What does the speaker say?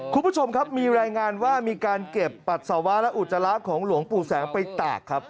คุณผู้ชมครับมีรายงานว่ามีการเก็บปัสสาวะและอุจจาระของหลวงปู่แสงไปตากครับ